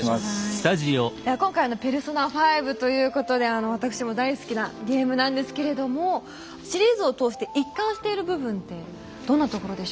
今回「ペルソナ５」ということであの私も大好きなゲームなんですけれどもシリーズを通して一貫している部分ってどんなところでしょうか？